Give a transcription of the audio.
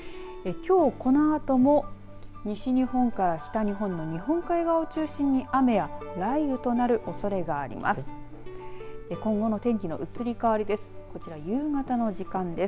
きょう、このあとも西日本から北日本の日本海側を中心に雨や雷雨となるおそれがあります。